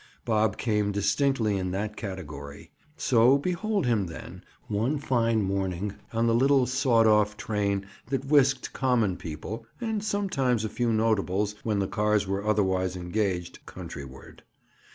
Bob came distinctly in that category. So behold him then, one fine morning, on the little sawed off train that whisked common people—and sometimes a few notables when their cars were otherwise engaged—countryward.